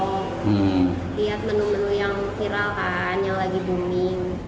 lihat menu menu yang viral kan yang lagi booming